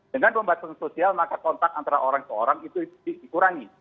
dengan pembatasan sosial maka kontak antara orang ke orang itu dikurangi